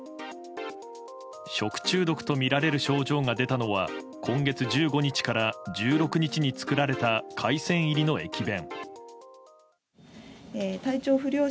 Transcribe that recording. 食中毒とみられる症状が出たのは今月１５日から１６日に作られた海鮮入りの駅弁。